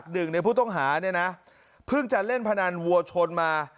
หนึ่งในผู้ต้องหาเนี่ยนะเพิ่งจะเล่นพนันวัวชนมา